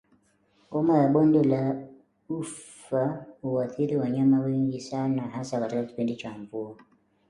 Homa ya bonde la ufa huathiri wanyama wengi sana hasa katika kipindi cha mvua